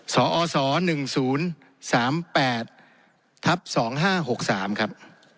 สอศ๑๐๓๘๒๕๖๓ครับ